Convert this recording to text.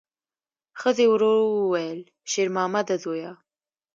ښځې ورو وویل: شېرمامده زویه!